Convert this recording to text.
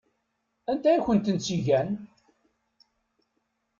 Anta i kent-tt-igan?